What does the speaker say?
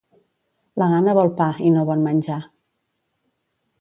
La gana vol pa i no bon menjar.